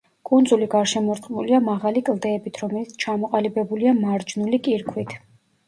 კუნძული გარშემორტყმულია მაღალი კლდეებით, რომელიც ჩამოყალიბებულია მარჯნული კირქვით.